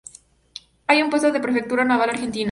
Hay un puesto de Prefectura Naval Argentina.